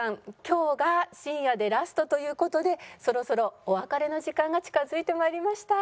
今日が深夜でラストという事でそろそろお別れの時間が近づいて参りました。